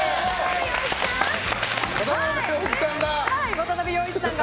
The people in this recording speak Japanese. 渡部陽一さんだ！